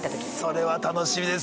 それは楽しみです